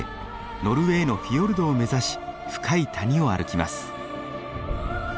ノルウェーのフィヨルドを目指し深い谷を歩きます。